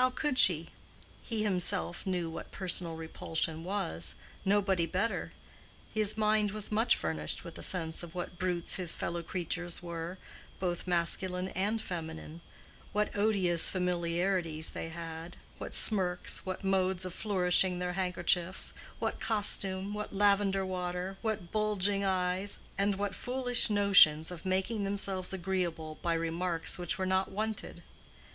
How could she? He himself knew what personal repulsion was—nobody better; his mind was much furnished with a sense of what brutes his fellow creatures were, both masculine and feminine; what odious familiarities they had, what smirks, what modes of flourishing their handkerchiefs, what costume, what lavender water, what bulging eyes, and what foolish notions of making themselves agreeable by remarks which were not wanted.